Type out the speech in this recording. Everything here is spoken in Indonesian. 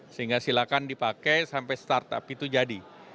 sehingga silakan dipakai sampai startup itu jadi